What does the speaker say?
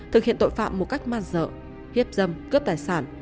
thực hiện tội phạm một cách man dợ hiếp dâm cướp tài sản